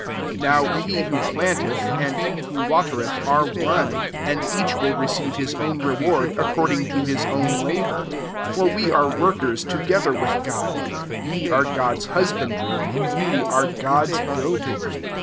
8 New he wha planteth, and he who wateretk^ are one ; and each will recein his own reward, according tt his own labour. 9 For we are workers together with God: ye are God's husbandry, ye art God's building.